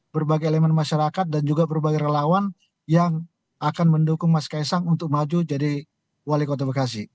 berbagai elemen masyarakat dan juga berbagai relawan yang akan mendukung mas kaisang untuk maju jadi wali kota bekasi